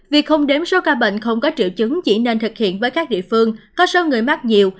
vì không đếm số ca bệnh không có triệu chứng chỉ nên thực hiện với các địa phương có số người mắc nhiều